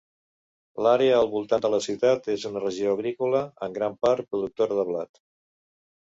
L'àrea al voltant de la ciutat és una regió agrícola, en gran part productora de blat.